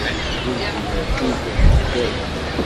Kullec ibeddu-d seg llsas.